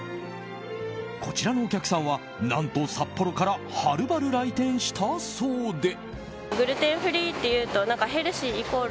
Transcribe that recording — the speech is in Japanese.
こちらのお客さんは何と札幌からはるばる来店したそうで。